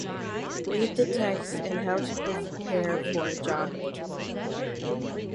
Read the text about how to prepare for a job interview.